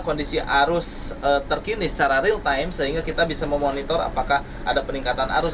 kondisi arus terkini secara real time sehingga kita bisa memonitor apakah ada peningkatan arus